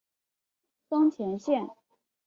松前线。